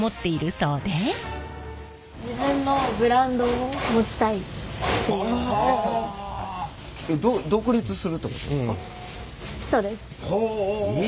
そうです。